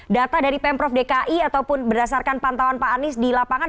data dari pemprov dki ataupun berdasarkan pantauan pak anies di lapangan